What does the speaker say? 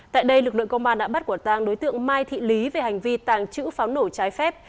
tại đây lực lượng công an đã bắt quả tàng đối tượng mai thị lý về hành vi tàng trữ pháo nổ trái phép